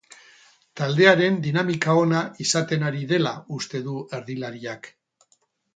Taldearen dinamika ona izaten ari dela uste du erdilariak.